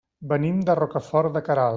Venim de Rocafort de Queralt.